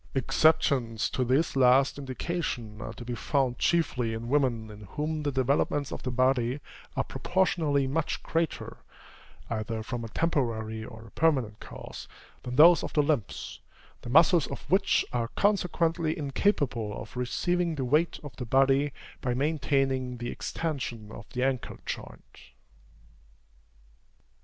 Exceptions to this last indication are to be found chiefly in women in whom the developments of the body are proportionally much greater, either from a temporary or a permanent cause, than those of the limbs, the muscles of which are consequently incapable of receiving the weight of the body by maintaining the extension of the ankle joint.